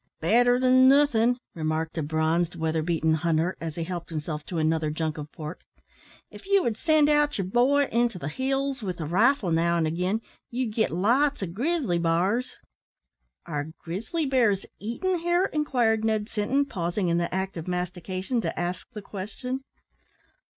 "Better than nothin'," remarked a bronzed, weatherbeaten hunter, as he helped himself to another junk of pork. "If ye would send out yer boy into the hills with a rifle now an' again, ye'd git lots o' grizzly bars." "Are grizzly bears eaten here?" inquired Ned Sinton, pausing in the act of mastication, to ask the question.